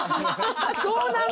そうなの？